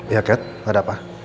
ya kat ada apa